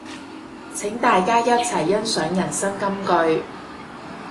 請大家一齊欣賞人生金句